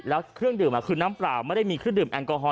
แล้วเครื่องดื่มคือน้ำเปล่าไม่ได้มีเครื่องดื่มแอลกอฮอล